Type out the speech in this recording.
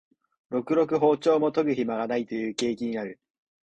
ろくろく庖丁も研ぐひまがないという景気になる